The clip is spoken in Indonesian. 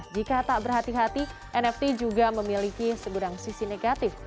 jika tak berhati hati nft juga memiliki segudang sisi negatif